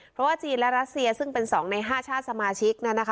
เพราะว่าจีนและรัสเซียซึ่งเป็น๒ใน๕ชาติสมาชิก